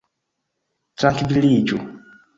trankviliĝu